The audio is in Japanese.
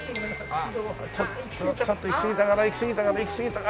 あっちょっと行き過ぎたかな行き過ぎたかな行き過ぎたか？